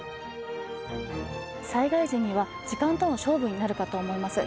災害時には時間との勝負になるかと思います。